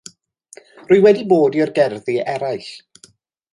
Rwy wedi bod i'r gerddi eraill.